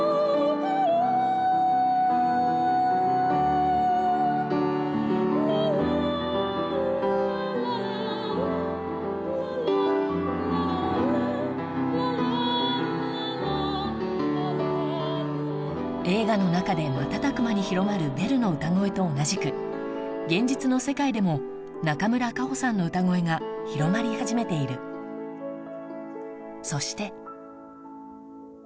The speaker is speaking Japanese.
ララララララララ映画の中で瞬く間に広まるベルの歌声と同じく現実の世界でも中村佳穂さんの歌声が広まり始めているそして